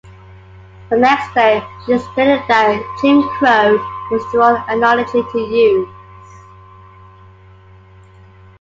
The next day, she stated that "Jim Crow was the wrong analogy to use".